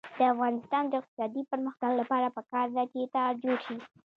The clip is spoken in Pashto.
د افغانستان د اقتصادي پرمختګ لپاره پکار ده چې تار جوړ شي.